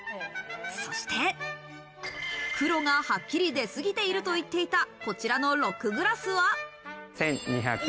そして、黒がはっきり出過ぎていると言っていた、こちらのロックグラスは。